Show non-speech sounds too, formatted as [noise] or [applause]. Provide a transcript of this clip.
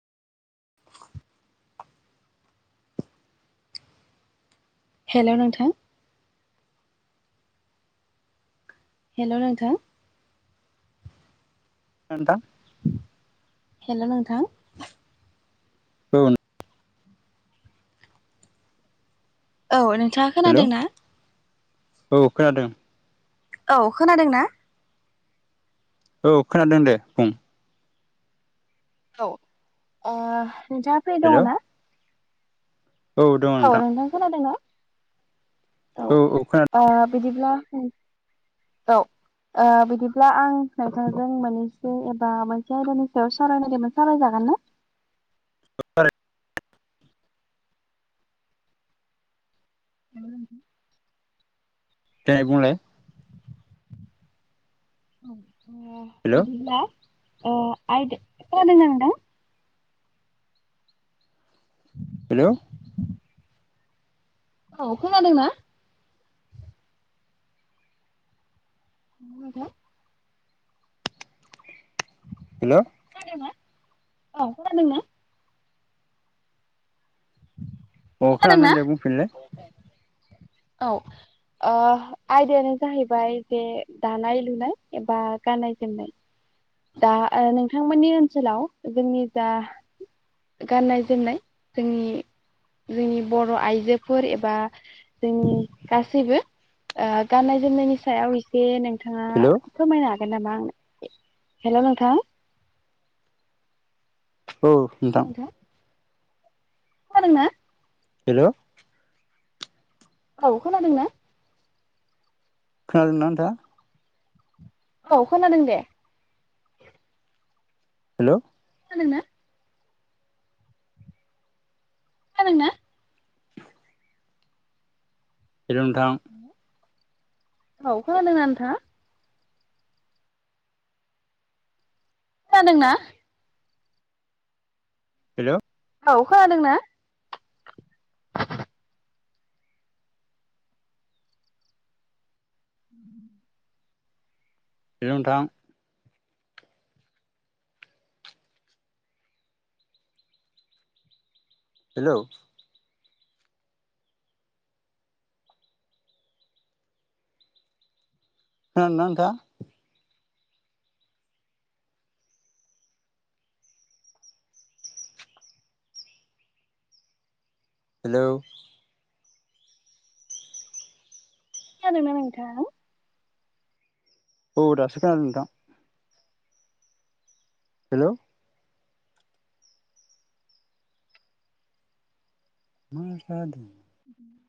Hello नोंथां। Hello नोंथा। ओ नोंथां। हेलौ नोंथां। औ नो। औ नोंथाङा हेल' खोनादोंना? औ खोनादों। औ खोनादों ना? औ खोनादों दे बुं औ ओ नोंथाङा फ्रि हेल' दङ ना औ दङ औ नोंथां खोनादों ना औ औ ओ खोनादों बिदिब्ला उम औ ओ बिदिब्ला आं नोंथांजों मोनैसो एबा मोनसे आयदानि सायाव सावरायनि सावराय जागोन ना दे बुंलाय ओ हेल' बिदिब्ला ओ आयदा खोनादों ना नोंथां हेलौ औ खोनादोंना [inaudible] हेलौ खोनादोंना? औ खोनादोंना अ खोनादों खोनादोंना? दे बुंफिनलाय औ ओ आयदायानो जाहैबाय जे दानाय लुनाय एबा गाननाय जोमनाय दा ओ नोंथांमोननि ओनसोलाव जोंनि जा गाननाय जोमनाय जोंनि जोंनि बर' आइजोफोर एबा जोंनि गासैबो ओ गाननाय जोमनायनि सायाव एसे नों नोंथाङा हेल' फोरमायनो हागोन नामा आंनो हेलौ नोंथां औ नोंथां खोनादों ना हेलौ औ खोनादोंना खोनादोंना नोंथांआ औ खोनादों दे हेलौ खोंनादोंना खोनादोंना होलौ नोंथां औ खोनादोंना नोंथांआ खोनादोंना हेलौ औ खोनादोंना [inaudible] हेलौ नोंथां हेलौ खोनादोंना नोंथांआ हेलौ खोनादोंना नोंथां औ दासो खोनादों नोंथां हेलौ मा जादों